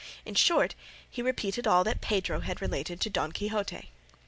In short, he repeated all that Pedro had related to Don Quixote.